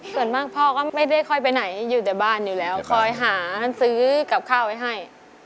ส่วนมากพ่อก็ไม่ได้ค่อยไปไหนอยู่แต่บ้านอยู่แล้วคอยหาซื้อกับข้าวไว้ให้